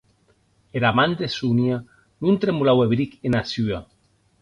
Era man de Sonia non tremolaue bric ena sua.